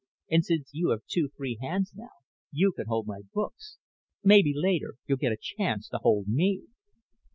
And, since you have two free hands now, you can hold my books. Maybe later you'll get a chance to hold me."